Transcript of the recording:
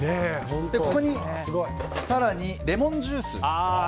ここに更にレモンジュース。